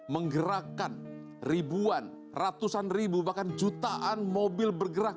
menggerakkan ribuan ratusan ribu bahkan jutaan mobil bergerak